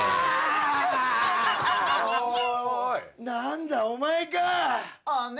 何だお前か。